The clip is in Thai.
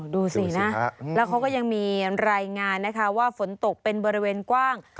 ดูสินะแล้วเขาก็ยังมีรายงานนะคะว่าฝนตกเป็นบริเวณกว้าง